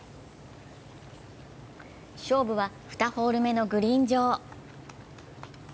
勝負は２ホール目のグリーン上。